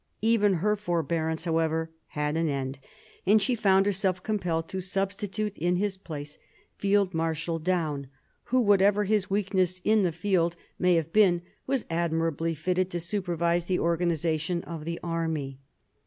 Even her forbearance, how ever, had an end, and she found herself compelled to substitute in his place Field Marshal Daun, who, what ever his weakness in the field may have been, was admirably fitted to supervise the organisation of the army.